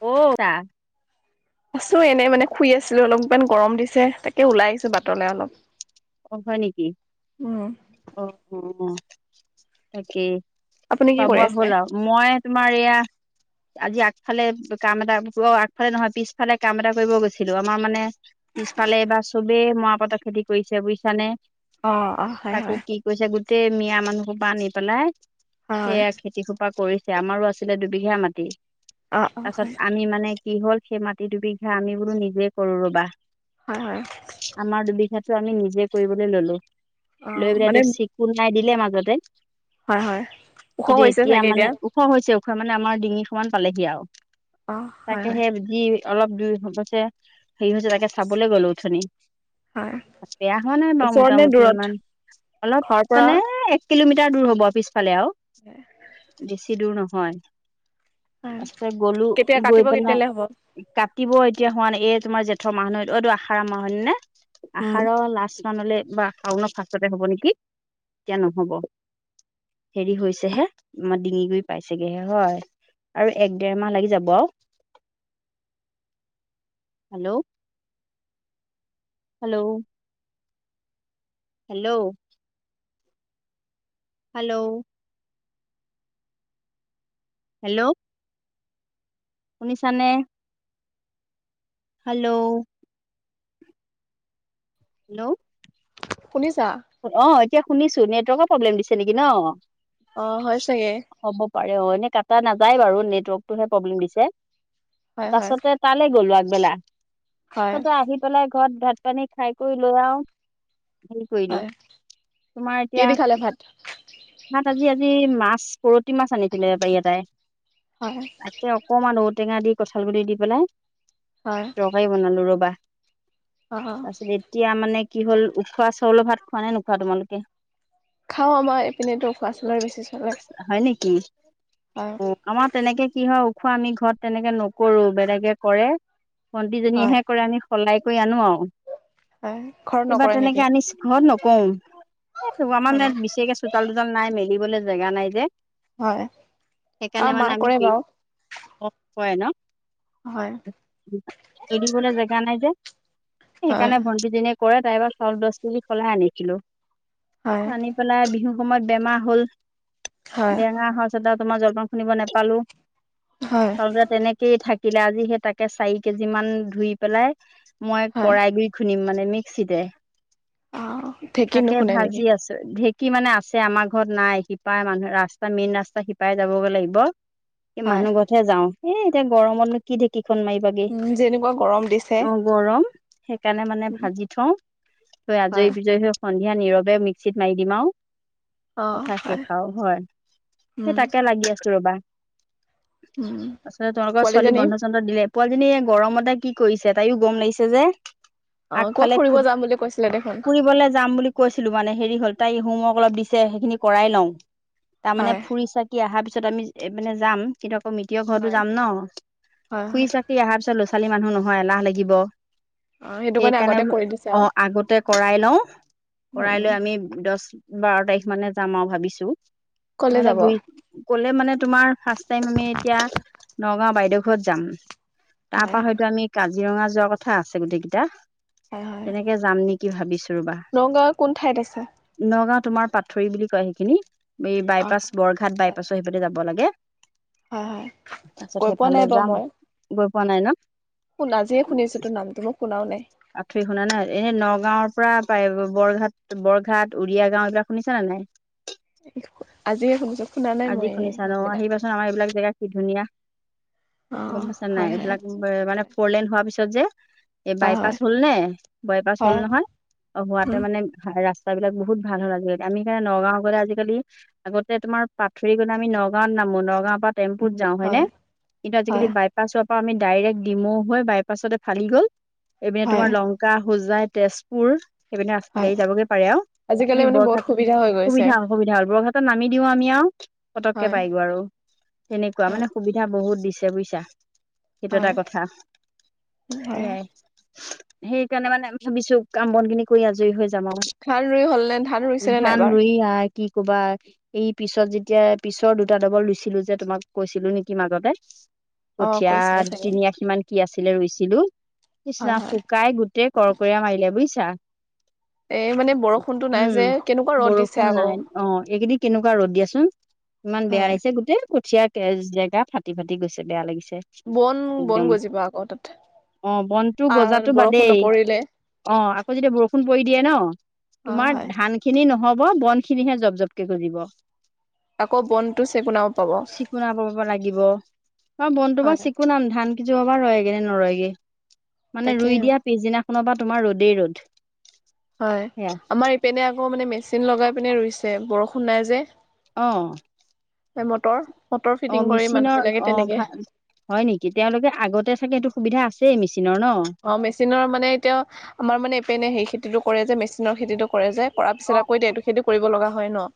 অ। আছো এনেই মানে শুই আছিলো অলপমান গৰম দিছে তাকে ওলাই আহিছো বাটলৈ অলপ। অ হয় নেকি। উম। অ তাকে। আপুনি কি খোৱা কৰি বোৱা আছে হ'ল আৰু মই তোমাৰ এয়া। আজি আগফালে কাম এটা প আগফালে নহয় পিছফালে কাম এটা কৰিব গৈছিলো আমাৰ মানে। পিছফালে এইবাৰ চবেই মৰা পাতৰ খেতি কৰিছে বুজিছানে। অ অ। হয় তাকো হয় কি কৰিছে গোটেই মিয়া মানুহ হোপা আনি পেলাই হয় হয় সেয়া খেতি খোপা কৰিছে। আমাৰো আছিলে দুবিঘা মাটি অ অ হয় তাৰপিছত আমি মানে। কি হ'ল সেই মাটি দুবিঘা আমি বোলো নিজে কৰো ৰবা। হয় হয়। আমাৰ দুবিঘাটো আমি নিজে কৰিবলৈ ললো অ লৈ মানে পেলাইটো চিকুনাই দিলে মাজতে। হয় হয় ওখ কিন্তু হৈছে এতিয়া চাগে মানে ওখ হৈছে ও। খ মানে আমাৰ ডিঙি সমান পালেহি আৰু অ হয় তাকে হয় সেই যি। অলপ দুইছে সেই হৈছে তাকে চাবলে গলো উঠনী। হয় বেয়া হোৱা নাই বাৰু ওচৰত নে মোটামুটি দূৰত ইমান। অলপ ঘৰৰ পৰা মানে এক কিলোমিটাৰ দূৰ হ'ব আৰু পিছফালে আও। দূৰ নহয় তাৰপিছতে গলো কেতিয়া গৈ কাটিব পেলাই কেতিয়ালৈ হ'ব কাটিব। এতিয়া হোৱা নাই এই তোমাৰ জেঠৰ মাহ এইটো আহাৰৰ মাহ হয়নে উম আহাৰৰ লাষ্ট। [unintelligible] বা শাউনৰ ফাতে হ'ব নেকি? এতিয়া নহ'ব। হেৰি হৈছেহে আমাৰ ডিঙি গুৰি পাইছেগেহে হয়। আৰু এক দেৰ মাহ লাগি যাব আও। Hello hello. Hello. Hello. Hello. শুনি চানে! হেল্ল'। হেল্ল'। শুনিছা অ এতিয়া শুনিছো নেটৱৰ্কৰ প্ৰব্লেম দিছে নেকি ন। অ হয় চাগে হ'ব পাৰে অ এনে ক। টা নাযায় বাৰু নেটৱৰ্কতটোহে প্ৰব্লেম দিছে হয় হয় তাছতে তালৈ গ'লো আগবেলা। হয় পছতে আহি পেলাই ঘৰত ভাত পানী খাই কৰি লৈ আও। কৰিলো হয় তোমাৰ কি এতিয়া। দি খালে ভাত তাত আজি আজি মাছ পৰতি মাছ আনিছিলে বেপাৰি এটাই। হয় তাকে অকমান ৰ'দ। ঔ টেঙা দি কঁঠাল গ দি পেলাই হয় তৰকাৰী বনালো ৰবা। অ তাৰপিছত এতিয়া মানে কি হ'ল উখোৱা চাউলৰ ভাত খোৱা নে নোখোৱা তোমালোকে খাওঁ আমাৰ এপিনেতো উখোৱা চাউলৰ বেছি চলে হয় অ আমাৰ তেনেকে কি হয়? ওখোৱা আমি ঘৰত তেনেকে নকৰো বেলেগে কৰে হয় ভন্তিজনীয়েহে কৰে আমি সলাই কৰি আনো আৰু হয় ঘৰত এইবাৰ নকৰে তেনেকে নেকি? আনি ঘৰত নকওঁ, এই তোমাৰ মানে হয় বিশেষকে চোতাল- তোতাল নাই মেলিবলে জেগা নাই যে হয় অ সেইকাৰণে মা মানে আমি কৰে হেৰি বাৰু হয়। [inaudible] মেলিবলে জেগা নাই যে, হয় সেইকাৰণে ভণ্টিজনীয়ে কৰে তাইপৰা চাউল দছ কেজি সলাই আনিছিলোঁ। হয় আনি পেলাই বিহু সময়ত বেমাৰ হল, হয় বেমাৰ হোৱাৰ পাছত তোমাৰ জলপান খুন্দিব নেপালোঁ। হয় [unintelligible] তেনেকেই থাকিলে, আজি সেই তাকে চাৰি কেজি মান ধুই পেলাই মই হয় কৰা়ই গুৰি খুন্দিম মানে মিক্সিতে। অ ঢেঁকী তাকে নুশুনে নেকি ভাজি আছোঁ, ঢেক কি মানে আছে আমাৰ ঘৰত নাই শিপাই মানুহ ৰাস্তা মেইন ৰাস্তা শিপাই যাবগৈ লাগিব। হয় মানুহ ঘতহে যাওঁ, এই এতিয়া গৰমতনো কি ঢেকি ফোন মাইবাগে। উম যেনেকুৱা গৰম দিছে অ গৰম। সেইকাৰণে মানে ভাজি থওঁ, হয় আজৰি বিজৰি হৈ সন্ধিয়া নীৰৱে মিক্সিত মাৰি দিম আও। অ কথা হয় সেখাওঁ হয়, উম সেই তাকে লাগি আছোঁ ৰবা। উম তাৰপাছত তোমালোকৰ ছোৱালী পোৱালীজনী বন্ধ- চন্ধ দিলে? পোৱালজনীয়ে গৰমতে কি কৰিছে তাইও গৰম লাগিছে যে। অ কত ফুৰিব যাম বুলি কৈছে? ফুৰিবলে যাম বুলি কৈছিলো, মানে হেৰি হ'ল তাই হোমৱৰ্ক অলপ দিছে সেইখিনি কৰাই লওঁ। তাৰমানে হয় ফুৰি চাকি অহাৰ পিছত আমি মানে যাম, কিন্ত মিটিৰৰ ঘৰতো হয় যাম ন, হয় ফুৰি হয় চাকি অহাৰ পিছত ল'ৰা ছোৱালী মানুহ নহয় এলাহ লাগিব। অ সেইটো কাৰণে সেইকাৰণে আগতে বোলো কৰি দিছে। অ আৰু আগতে কৰাই লওঁ, উম, কৰাই উম। লৈ আমি দছ বাৰ তাৰিখ মানে যাম আও, ভাবিছো কলে নহ'লে যাব ঘুই গলে মানে তোমাৰ ফাৰ্ষ্ট টাইম আমি এতিয়া নগাঁও বাইদেউ ঘৰত যাম। তাৰ হয় পা হয়তো আমি কাজি ৰঙা যোৱাৰ কথা আছে গোটেই কেইটা। হয় হয় তেনেকে যাম নেকি ভাবিছোঁ ৰ'বা। নগাঁৱৰ কোন ঠাইত আছে নগাঁত তোমাৰ পাথৰি বুলি কয় সেইখিনি এই অ বাইপাছ বৰঘাট হয় বাইপাছৰ সেই ফালে যাব লাগে। হয় হয় তাৰপাছত গৈ পোৱা নাই সেইফালে বাৰু যাম মই গৈ পোৱা নাই ন। শুন আজিয়ে শুনিছো তোৰ নামটো মই শুনাও নাই। আঠৈ শুনা নাই এই নগাঁওৰ পৰা বাই বৰঘাট বৰঘাট উৰিয়া গাওঁ এইবিলাক শুনিছা নে নাই। [inaudible] আজিয়ে শুনছো। আজি শুনিছা ন, আহিবাচোন আমাৰ এইবিলাক জেগা কি ধুনীয়া, অ গম পাইছা নাই? হয় হয় এইবিলাক মানে ফ'ৰ লেন হোৱাৰ পিছত যে এই হয় বাইপাছ হয় হল নে, বাইপাছ হ'ল হয় নহয় অ হোৱাতোৱে উম মানে ৰাস্তা বিলাক বহুত ভাল হ'ল আজিকালি। আমি এতিয়া নগাঁও গ'লে আজিকালি আগতে তোমাৰ পাথৰি গ'লে আমি নগাঁওত নামো, নগাঁৱৰ পৰা টেম্পুত যাওঁ হয় নে? কিন্তু হয় আজিকালি বাইপাছত আমি ডাইৰেক্ট ডিমৌ হৈ বাইপাছতে ফালি গ'ল, এইপিনে তোমাৰ হয় লংকা হোজাই তেজপুৰ সেইপিনে হয় গাড়ী যাবগে পাৰে আও। আজিকালি আমি মানে বহুত বৰঘাট, সুবিধা হৈ গৈছে সুবিধা হল সুবিধা হ'ল বৰঘাটত নামি দিওঁ আমি আও পতককে হয় পাই গৈ আৰু। সেনেকুৱা মানে হয় সুবিধা বহুত দিছে বুইছা। সেইটো এটা হয় কথা হয় সেইয়াই। সেইকাৰণে মানে আমি ভাবিছোঁ কাম বনখিনি কৰি আজৰি হৈ য যাম আও। ধান ৰুই হ'ল নে ধান ৰুইছেনে নাই ধান এবাৰ ৰুই আ কি কবা এই পিছত যি এতিয়া পিছৰ দুটা ডবল ৰুইছিলো যে তোমাক কৈছিলো নেকি মাজতে। অ কঠীয়া কৈছিলে চাগে তিনিআশিমান কি আছিলে ৰুইছিলো। হয় কৃষ্ণা হয় শুকাই গোটেই কৰকীয়া মাৰিলে বুইছা। এই মানে বৰষুণতো নাই যে কেনেকুৱা উম ৰ'দ দিছে বৰষুণ আকৌ নাই অ সেইকেইদিন কেনেকুৱা ৰ'দ দিয়াচোন। ইমান বেয়া হয় লাগিছে গোটেই কঠীয়া জেগা ফাটি ফাটি গৈছে বেয়া লাগিছে। বন বন গজিবা আকৌ তাত অহ বনটো আহ গজাতো বা বৰষুণ দেই নপৰিলে অ আকৌ যেতিয়া বৰষুণ পৰি দিয়ে ন অ তোমাৰ হয় ধান খিনি নহব বন খিনিহে জপ জপকে গজিব আকৌ বনটো চেকুনাব পাব চিকুনা ব লাগিব। মই বনটো হয় চিকুনাম ধান যোৱা বাৰ ৰয়েগে নে নৰয়গে মানে ৰুই তাকে দিয়া পিছদিনাখনৰ পৰা তোমাৰ ৰ'দেই ৰ'দ। হয় সেয়া আমাৰ ইপিনে আকৌ মানে মেচিন লগাই পিনে ৰুইছে বৰষুণ নাই যে। অহ এ মটৰ মটৰ অহ ফিটিং কৰি মানুহ মেচিনৰ বিলাকে অ তেনেকে ভাল হয় নেকি তেওঁলোকে আগতে চাগে সেটো সুবিধা আছেই মেচিন অহ মেচিনৰ মানে এতিয়া আমাৰ মানে এপেনে সেই খেতিটো কৰে যে মেচিনৰ খেতিটো কৰে যে। কৰাৰ অ পিছত আকৌ অ এইটো খেতি কৰিব লগা হয় ন।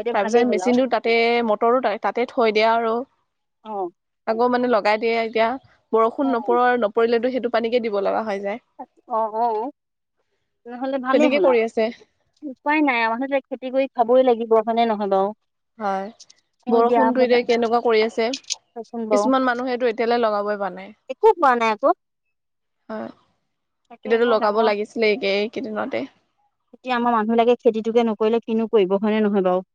এতিয়া তাৰ ভালেই পিছত হ'ল আৰু মেচিনটো তাতে মটৰো তাতে থৈ দিয়া আৰু। অহ আকৌ মানে লগাই দিয়ে এতিয়া বৰষুণ নপৰ নপৰিলেতো সেইটো পানী কে দিব লগা হয়। অহ তেনেহলে ভালেই তেনেকে হ'ল আও কৰি আছে উপাই নাই মানুহটোৱে খেতি কৰি খাবই লাগিব। হয় নে নহয় বাও। হয় বৰষুণটো এতিয়া কেনেকুৱা কৰি আছে। চাচোন বাৰু কিছুমান মানুহে এইটো এতিয়ালৈ লগাবই পৰা নাই। একো পোৱা নাই আকৌ হয়। তাকে এতিয়াতো বৰ লগাব ডাঙৰ লাগিছিলে এই এইকেইদিনতে এতিয়া আমাৰ মানুহ লাগে খেতিটোকে নকৰিলে কিনো কৰিব হয়নে নহয় বাও।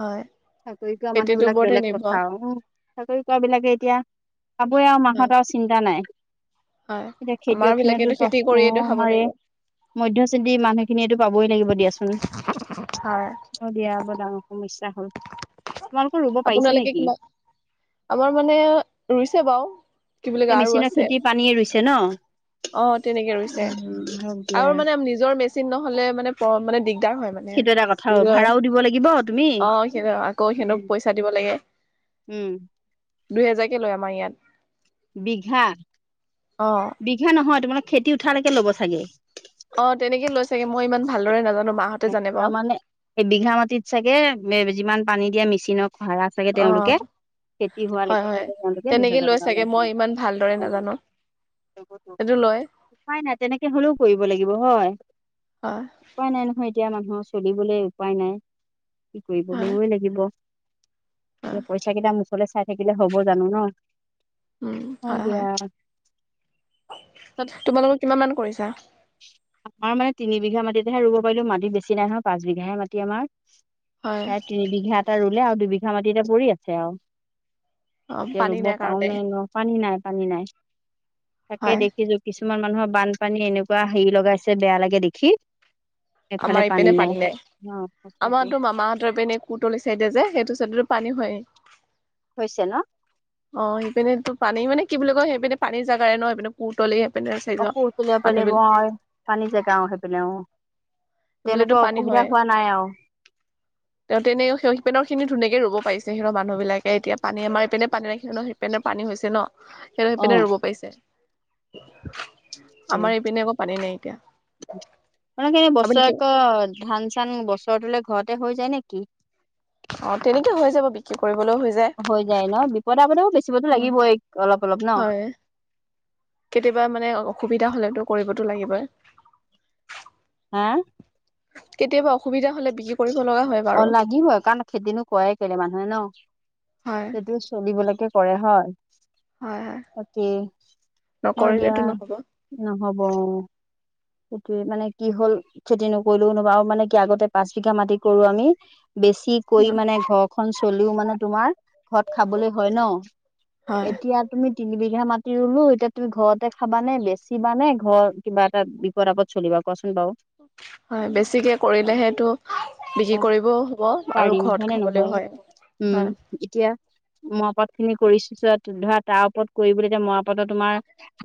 হয়। চাকৰি কৰা মানুহ খেতিটোৰ বিলাক ওপৰতহে বেলেগ নিৰ্ভৰ কথা আৰু উম চাকৰি কোৱা বিলাকে এতিয়া খাবৈ যা হয় মাহত আও চিন্তা নাই। হয় এতিয়া আমাৰ খেতিয়ক বিলাকেতো খিনতো ক খেতি অ কৰিয়েতো খাব আমাৰ লাগিব মধ্য শ্ৰেণীৰ মানুহ খিনিয়েটো পাবই লাগিব দিয়াচোন হয়, অহ দিয়া বৰ ডাঙৰ সমস্যা হ'ল। তোমালোকৰ ৰুব পাৰিছে আপোনালোকে নেকি কিমানা আমাৰ মানে ৰুইছে বাৰু কি বুলি এই মেচিনা খেতিৰ পানীয়ে ৰুইছে ন অহ তেনেকে ৰুইছে উম হওক দিয়া আৰু মানে নিজৰ মেচিন নহলে মানে প মানে দিগাৰ হয় মানে সেইটো এটা কথা কি বুলি কয় ভাড়াও দিব লাগিব তুমি অহ আকৌ উম, সিহঁতৰ পইচা দিব লাগে উম, দুহেজাৰকে লয় আমাৰ ইয়াত। বিঘা অ বিঘা নহয় তোমালোক খেতি উঠালৈকে ল'ব চাগে। অহ তেনেকে লৈ চাগে। মই ইমান ভালদৰে নাজানো মাহঁতে জানে বাৰু তাৰমানে এবিঘা মাটিত চাগে যিমান পানী দিয়া মেচিনক ভাড়া চাগে অ তেওঁলোকে খেতি হোৱা হয় লৈকে হয় চাগে তেওঁলোকে তেনেকে দুহোজাৰ লৈ টকা চাগে লয়। মই ইমান ভালদৰে নাজানো সেইটো লয় উপায় নাই তেনেকে হলেও কৰিব লাগিব হয়। হয় উপায় নাই নহয় এতিয়া মানুহৰ চলিবলৈ উপায় নাই কি কৰিব হয় ৰুবই লাগিব। হয় এতিয়া পইচা কেইটা মুখলৈ চাই থাকিলে হব জানো ন। উম হয় হয় পিছত তোমালোকৰ কিমান মান কৰিছা? আমাৰ মানে তিনি বিঘা মাটিতহে ৰুব পাৰিলো মাটি বেছি নাই নহয় পাঁচ বিঘাহে মাটি আমাৰ। হয় তাই তিনি বিঘা এটা ৰুলে আৰু দুবিঘা মাটি এতিয়া পৰি আছে আও। অ', এতিয়া পানী ৰুব নাই পাওঁ কাৰণে নে নোৱাৰে পানী নাই। পানী নাই তাকে হয় দেখিছোঁ কিছুমান মানুহৰ বানপানী এনেক- বা হেৰি লগাইছে বেয়া লাগে দেখি। আমাৰ ইপিনে পানী নাই অ সঁচাকে আমাৰতো মামাহঁতৰ পিনে কুতলি চাইদে যে সেইটো চাইডে পানী হয় হৈছে ন অ সেইপিনে টো পানী মানে কি বুলি কয় সেইপিনে পানীৰ জাগাৰে ন সেইপিনে পিনে পুতলি অসু উতলিয় পানী ব হয় পানী জেগাও সেই পিনে অ। বোলোতো তেওঁলোকৰ পানী অসুবিধা হয়ে হোৱা নাই আৰু তেতে এনেই সে পেনৰ খিনি ধুনীয়াকে ৰুব প। সিৰ মানুহবিলাক এতিয়া পানী আমাৰ এইপিনে পানী ৰাখি ন সেই পেনে পানী হৈছে ন। হেত অ সেইপিনে ৰুব পাইছে আমাৰ ইপিনে একো পানী নাইকিয়া। মান এনে বছৰেকত ধান চান বছৰটোলে ঘত দে হৈ যায় নেকি। অ তেনেকে হৈ যাব বিক্ৰী কৰিবলৈও হৈ যায়। যায় ন বিপদ আপদেও বেচিবতো লাগিবই অলপ অলপ ন হয় কেতিয়াবা মানে অসুবিধা হ'লেতো। কৰিবতো লাগিব। হা। কেতিয়াবা অসুবিধা হ'লে বিক্ৰী কৰিম। অ লাগিবৈ কাৰণ খেতিনো কৰাই কেলে মানুহে ন হয় সেইটো চলিবলৈকে। কৰে হয় হয় হয় বাকী। হয় নকৰিলেতো দিয়া নহ'ব নহ'ব। সেইটোৱে মানে কি হ'ল খেতি নকৰিলেও বা মানে কি আগতে পাঁচ বিঘা মাটি কৰো আমি। বেছি কৈ মানে ঘৰখন চলিও মানে তোমাৰ। ঘৰত খাবলৈ হয় ন হয় এতিয়া তুমি তিনিবধ। দিয়া মাতি ৰুলো এতিয়া তুমি ঘৰতে খাবা নে বেচিবা নে ঘৰ কিবা এটা বিপদ -আপদ চলিবা কোৱা চোন। হয় বেছিকে কৰিলেহেটো অ বিক্ৰী কৰিবও হ'ব আৰু পাৰিম হয় ঘৰত নে নহয় খাবলেও। হয়। উম হয় এতিয়া। মৰাপাত খিনি কৰিছা ধৰা তাৰ ওপৰত কৰিবলৈ এতিয়া মৰাপাতো তোমাৰ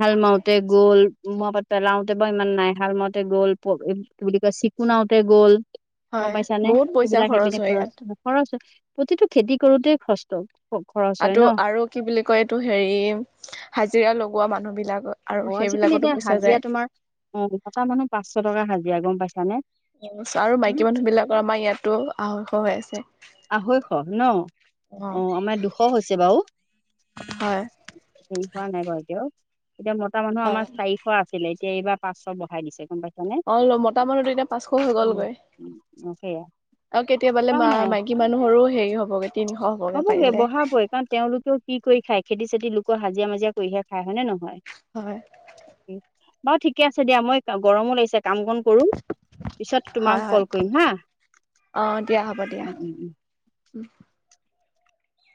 ভাল মাউট তে গ'ল মৰা পাত পেলাওঁতে ইমান নাই হালমাওতে গ'ল প কি বুলি কয় চিকুনাওতে গ'ল। হয় গমপাইছা নে বহুত পইচা সেইবিলাকেই পিনে হয় খৰচ ইয়াত খৰচ প্ৰতিটো খেতি কৰোতে কষ্ট। আৰুটো আৰু কি বুলি কয় এইটো হেৰি হাজিৰা লগোৱা মানুহ বিলাকত। অ আজি কালি এতিয়া হাজিৰা তোমাৰ অ মতা মানুহ পাঁচশ টকা হাজিৰা গম পাইছা নে। আৰু মাইকী মানুহ বিলাকৰ আমাৰ ইয়াতো আঢ়ৈশ হৈ আছে। আঢ়ৈশ ন অ আমাৰ দুশ হৈছে বাৰু। হয় স চানাইতউ। [unintelligible] এতিয়া মতা মানুহ হয় আমাৰ চাৰিশ আছিলে এতিয়া এইবাৰ পাঁচশ বঢ়াই দিছে গম পাইছ। অ মতা মানুহৰ এতিয়া পাঁচশ হৈ গ'লগৈ উম অ সেয়া আৰু কেতিয়াবালে উপাই মা নাই মাইকী। মানুহৰো হেৰি হ'বগৈ। হ'বগে বহাবৈ কাৰণ তেওঁলোকেও কি কৰি খায় খেতি -চেতি লোকৰ হাজিৰা -মাজিৰা কৰিহে খায়। হয় ন হয় নহয় বাৰু ঠিকে আছে দিয়া মই গৰমো লাগিছে। কাম কন কৰো পিছত হয় তোমাক হয় কল কৰিম হা। অ দিয়া হ'ব দিয়া। উম উম উম